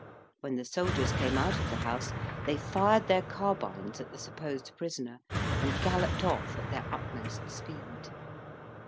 When the soldiers came out of the house they fired their carbines at the supposed prisoner, and galloped off at their utmost speed.